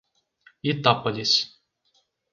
Itápolis